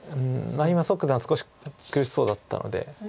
今蘇九段少し苦しそうだったので。